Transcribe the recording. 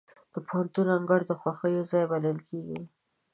د پوهنتون انګړ د خوښیو ځای بلل کېږي.